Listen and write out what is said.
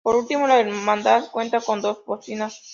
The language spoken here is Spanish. Por último la hermandad cuenta con dos bocinas.